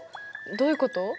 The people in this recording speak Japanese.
どういうこと？